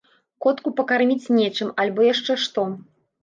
Котку пакарміць нечым, альбо яшчэ што.